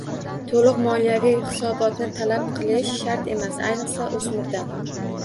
To‘liq moliyaviy hisobotni talab qilish shart emas, ayniqsa o‘smirdan.